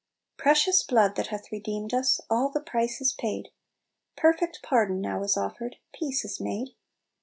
"Precious blood that hath redeemed us, All the price is paid ! Perfect pardon now is offered, Peace is made.